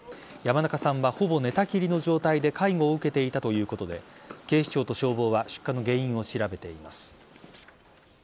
山中さんはほぼ寝たきりの状態で介護を受けていたということで警視庁と消防は出火の原因を調べています。